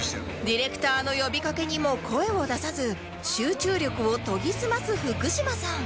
ディレクターの呼びかけにも声を出さず集中力を研ぎ澄ます福島さん